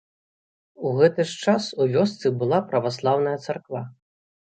У гэты ж час у вёсцы была праваслаўная царква.